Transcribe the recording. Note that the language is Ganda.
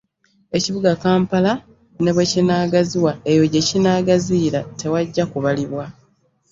Ekibuga Kampala ne bwe kinaagaziwa eyo gye kinaagaziyira tewajja kubalibwa.